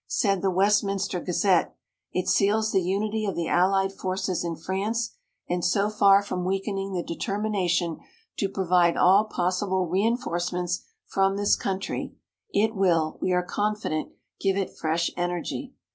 Said the Westminster Gazette: "It seals the unity of the Allied forces in France, and so far from weakening the determination to provide all possible reinforcements from this country, it will, we are confident, give it fresh energy.